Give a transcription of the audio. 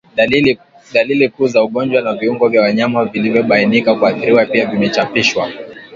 Dalili kuu za ugonjwa na viungo vya wanyama vilivyobainika kuathiriwa pia vimechapishwa